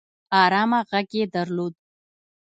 ارامه غږ يې درلود